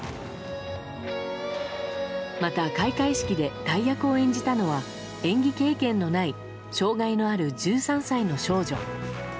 また、開会式で大役を演じたのは演技経験のない障害のある１３歳の少女。